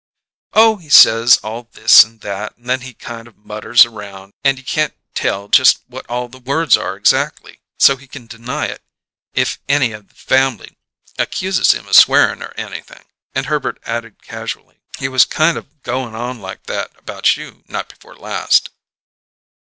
"Oh, he says all this and that; and then he kind of mutters around, and you can't tell just what all the words are exactly, so't he can deny it if any o' the family accuses him of swearing or anything." And Herbert added casually: "He was kind of goin' on like that about you, night before last."